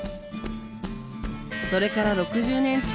それから６０年近く。